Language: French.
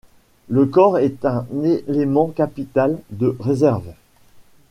Le corps est un élément capital de Réserve.